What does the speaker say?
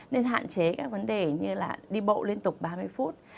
nên hạn chế các vấn đề như là đi bộ liên tục ba mươi phút